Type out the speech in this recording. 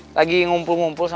ada siapa aja